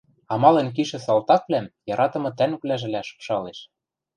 амален кишӹ салтаквлӓм яратымы тӓнгвлӓжӹлӓ шыпшалеш